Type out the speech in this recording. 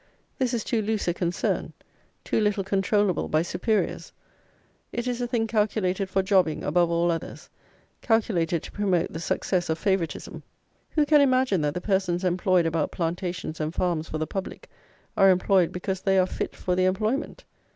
This is too loose a concern; too little controllable by superiors. It is a thing calculated for jobbing, above all others; calculated to promote the success of favouritism. Who can imagine that the persons employed about plantations and farms for the public, are employed because they are fit for the employment?